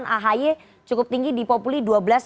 ahaye cukup tinggi di populi dua belas tiga